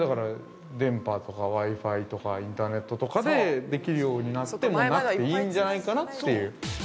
電波とか、Ｗｉ−Ｆｉとか、インターネットとかでできるようになって、もうなくていいんじゃないかなっていう。